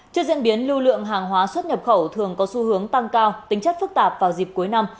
trước diễn biến lưu lượng hàng hóa xuất nhập khẩu thường có xu hướng tăng cao tính chất phức tạp vào dịp cuối năm